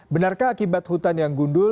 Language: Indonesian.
benarkah akibat hutan yang gundul